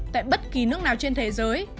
tại bất kỳ nước nào trên thế giới